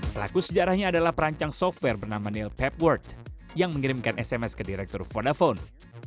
pelaku sejarahnya adalah perancang software bernama neil pepword yang mengirimkan sms ke direktur fonafon